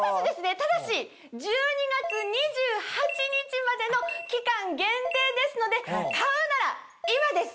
ただし１２月２８日までの期間限定ですので買うなら今です！